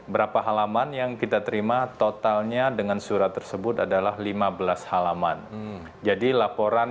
berapa halaman yang kita terima totalnya dengan surat tersebut adalah lima belas halaman jadi laporan